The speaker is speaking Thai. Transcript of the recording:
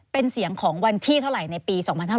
เป็นเสียงของวันที่เท่าไหร่ในปี๒๕๕๙